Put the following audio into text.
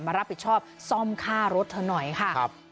รับผิดชอบซ่อมค่ารถเธอหน่อยค่ะ